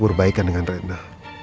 berbaikan dengan rena